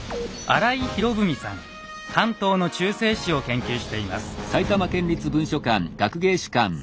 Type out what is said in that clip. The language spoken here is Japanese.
関東の中世史を研究しています。